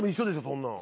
そんなん。